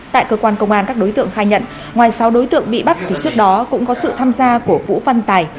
tại cơ quan công an các đối tượng khai nhận ngoài sáu đối tượng bị bắt thì trước đó cũng có sự tham gia của vũ văn tài